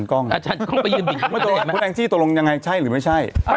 แกงไปยืนบิดข้างหลังทำไมเจ้า